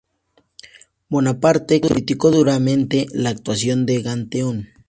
Bonaparte criticó duramente la actuación de Ganteaume.